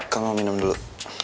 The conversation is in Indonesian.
kau mau minum dulu